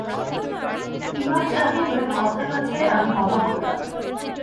ইমাম সাহেবের কথাবার্তায় আমি অবাক হলাম।